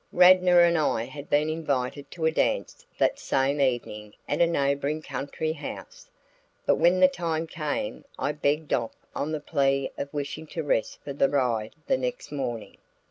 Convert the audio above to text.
Radnor and I had been invited to a dance that same evening at a neighboring country house, but when the time came, I begged off on the plea of wishing to rest for the ride the next morning.